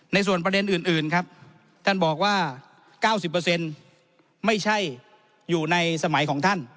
ในส่วนประเด็นอื่นครับท่านบอกว่า๙๐ไม่ใช่อยู่ในสมัยของท่าน